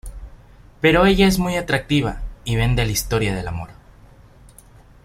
Pero ella es muy atractiva, y vende la historia de amor.